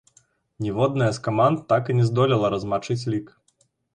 Ніводная з каманд так і не здолела размачыць лік.